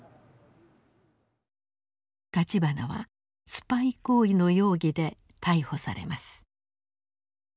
立花はスパイ行為の容疑で逮捕されます。